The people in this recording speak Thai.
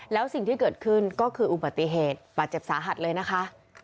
แล้วสิ่งที่เกิดขึ้นก็คืออุบัติเหตุบาดเจ็บสาหัสเลยนะคะ